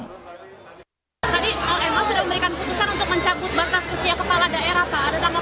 tadi ma sudah memberikan putusan untuk mencabut batas usia kepala daerah pak